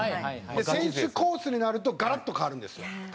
選手コースになるとガラッと変わるんですよ。